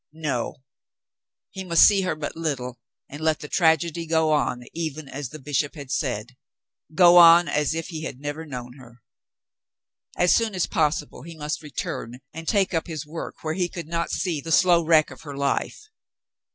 No, he must see her but little, and let the tragedy go on even as the bishop had said — go on as if he never had known her. As soon as possible he must return and take up his work where he could not see the slow wreck of her life.